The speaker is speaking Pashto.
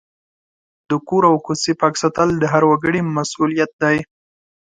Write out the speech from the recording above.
د کور او کوڅې پاک ساتل د هر وګړي مسؤلیت دی.